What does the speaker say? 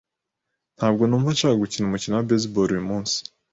Ntabwo numva nshaka gukina umukino wa baseball uyumunsi.